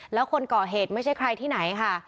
แล้วคนก่อเหตุไม่ใช่ใครที่ไหนค่ะ